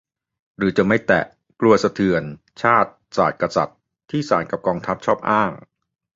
หรือจะไม่แตะ กลัวกระเทือน "ชาติ ศาสน์ กษัตริย์" ที่ศาลกับกองทัพชอบอ้าง